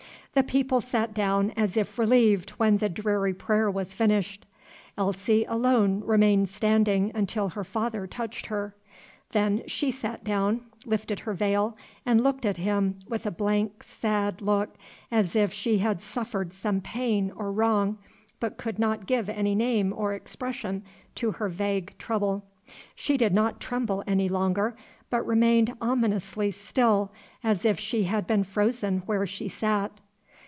The people sat down as if relieved when the dreary prayer was finished. Elsie alone remained standing until her father touched her. Then she sat down, lifted her veil, and looked at him with a blank, sad look, as if she had suffered some pain or wrong, but could not give any name or expression to her vague trouble. She did not tremble any longer, but remained ominously still, as if she had been frozen where she sat.